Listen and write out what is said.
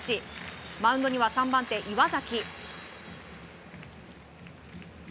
マウンドには３番手、岩崎。